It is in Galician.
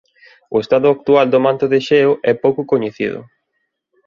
O estado actual do manto de xeo é pouco coñecido.